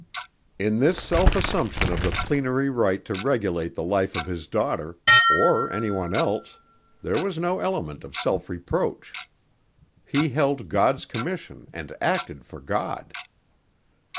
In this self assumption of the plenary right to regulate the life of his daughter, or any one else, there was no element of self reproach. He held God's commission and acted for God!